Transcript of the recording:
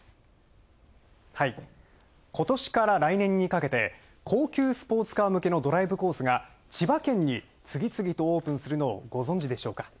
今年から来年にかけて、高級スポーツカー向けのドライブコースが千葉県に次々とオープンするのをご存知でしょうか。